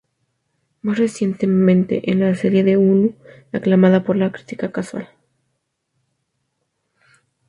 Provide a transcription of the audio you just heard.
Más recientemente, en la serie de Hulu aclamada por la crítica, "Casual".